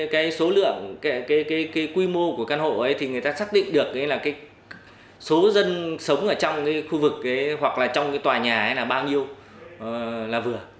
cái số lượng cái quy mô của căn hộ ấy thì người ta xác định được là cái số dân sống ở trong cái khu vực hoặc là trong cái tòa nhà ấy là bao nhiêu là vừa